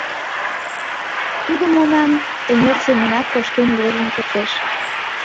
Тудо Монаҥ эҥер семынак кошкен возын кертеш.